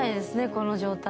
この状態。